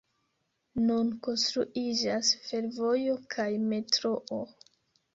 Nun konstruiĝas fervojo kaj metroo.